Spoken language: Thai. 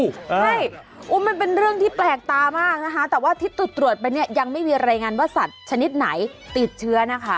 ใช่มันเป็นเรื่องที่แปลกตามากนะคะแต่ว่าที่ตรวจไปเนี่ยยังไม่มีรายงานว่าสัตว์ชนิดไหนติดเชื้อนะคะ